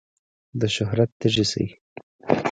د شهرت تږی شي.